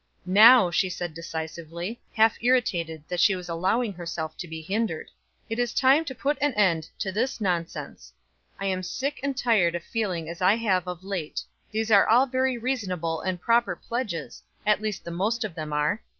"Now," she said decisively, half irritated that she was allowing herself to be hindered, "it is time to put an end to this nonsense. I am sick and tired of feeling as I have of late these are all very reasonable and proper pledges, at least the most of them are.